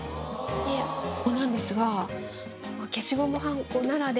でここなんですが。